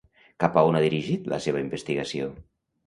Cap a on ha dirigit la seva investigació?